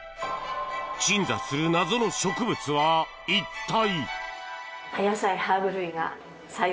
鎮座する謎の植物は一体？